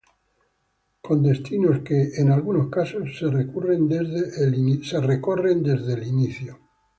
Con destinos que, en algunos casos, se recorren desde el inicio.